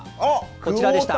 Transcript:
こちらでした。